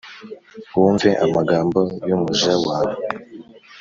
wumve amagambo y’umuja wawe.